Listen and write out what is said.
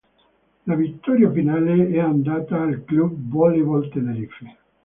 La vittoria finale è andata al Club Voleibol Tenerife.